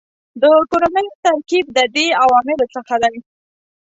د کورنیو ترکیب د دې عواملو څخه دی